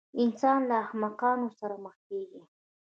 انسان له احمقانو سره مخ کېږي.